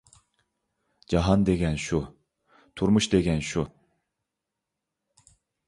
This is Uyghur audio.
جاھان دېگەن شۇ، تۇرمۇش دېگەن شۇ!